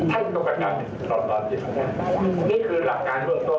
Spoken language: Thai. ท่านต้องการติดต่อต่อติดนี่คือหลักการเบื้องต้น